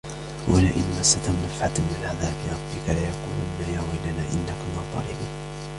ولئن مستهم نفحة من عذاب ربك ليقولن يا ويلنا إنا كنا ظالمين